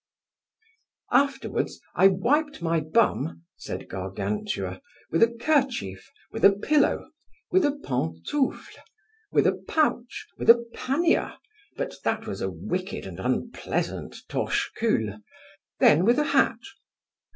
Afterwards I wiped my bum, said Gargantua, with a kerchief, with a pillow, with a pantoufle, with a pouch, with a pannier, but that was a wicked and unpleasant torchecul; then with a hat.